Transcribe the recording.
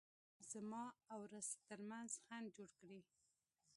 زما او رزق ترمنځ خنډ جوړ کړي.